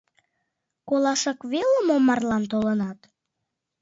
Колашак веле мо марлан толынат?..